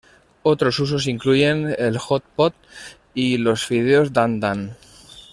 Otros usos incluyen el hot pot y los fideos dan dan.